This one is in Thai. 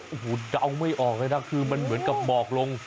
โอ้โหเดาไม่ออกเลยนะคือมันเหมือนกับหมอกลง